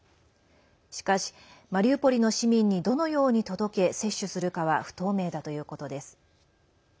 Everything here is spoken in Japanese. しかし、マリウポリの市民にどのように届け、接種するかは不透明だということです。